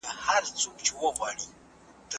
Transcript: ایا نوي کروندګر وچه الوچه صادروي؟